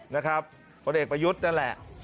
นะครับพลเอกประยุทธ์นั่นแหละ